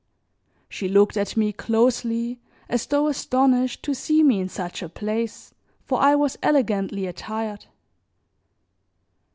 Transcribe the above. She looked at me closely as though astonished to see me in such a place, for I was elegantly attired.